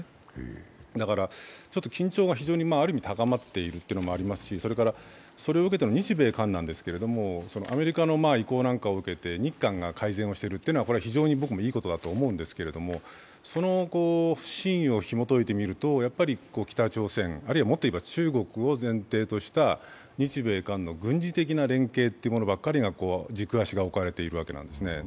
緊張がある意味、非常に高まっているということもありますし日米韓なんですけども、アメリカの意向なんかを受けて日韓が改善をしているっていうのは非常に僕はいいことだと思うんですけどその真意をひもといてみると、北朝鮮、あるいはもっと言えば中国を前提とした日米韓の連携ばかりに軸足が置かれているんですね。